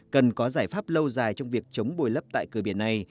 cần có giải pháp lâu dài trong việc chống bồi lấp tại cửa biển này